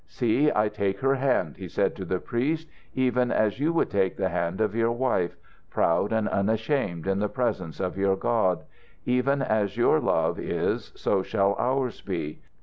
"See, I take her hand," he said to the priest, "even as you would take the hand of your wife, proud and unashamed in the presence of your God. Even as your love is, so shall ours be.